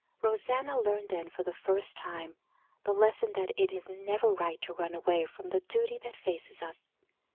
Rosanna learned then, for the first time, the lesson that it is never right to run away from the duty that faces us.